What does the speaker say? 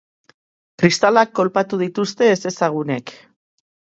Kristalak kolpatu dituzte ezezagunek.